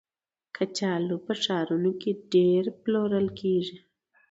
کچالو په ښارونو کې ډېر پلورل کېږي